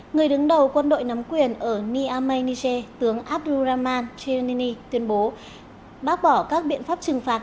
người đứng đầu quân đội nắm quyền ở niamey niger tướng abdurrahman chayyarani tuyên bố bác bỏ các biện pháp trừng phạt